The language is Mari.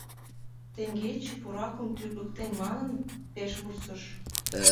Теҥгече, пуракым тӱргыктет манын, пеш вурсыш...